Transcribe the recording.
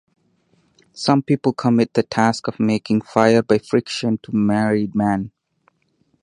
Some people commit the task of making fire by friction to married men.